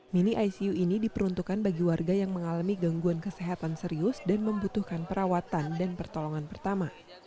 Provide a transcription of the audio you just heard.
mini icu ini diperuntukkan bagi warga yang mengalami gangguan kesehatan serius dan membutuhkan perawatan dan pertolongan pertama